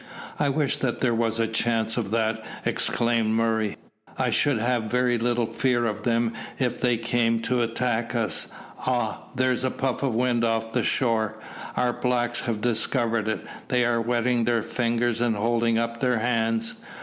"I wish that there was a chance of that," exclaimed Murray; "I should have very little fear of them if they came to attack us. Ah! there's a puff of wind off the shore. Our blacks have discovered it. They are wetting their fingers and holding up their hands.